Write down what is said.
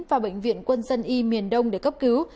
và bệnh viện quân dân y miền đông để cấp cứu